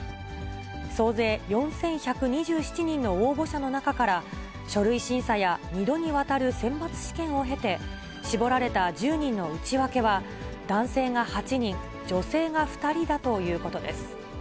総勢４１２７人の応募者の中から、書類審査や２度にわたる選抜試験を経て、絞られた１０人の内訳は、男性が８人、女性が２人だということです。